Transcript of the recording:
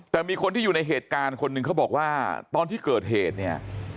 แต่มีคนที่อยู่ในเหตุการณ์คนหนึ่งเขาบอกว่าตอนที่เกิดเหตุเนี่ย